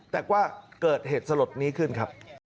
แต่ก็เกิดเหตุสลดนี้ขึ้นครับ